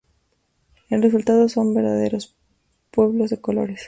El resultado son verdaderos "pueblos de colores.